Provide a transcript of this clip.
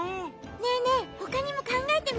ねえねえほかにもかんがえてみよう！